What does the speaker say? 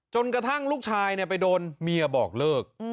จนกระทั่งลูกชายไปโดนเมียบอกเลิก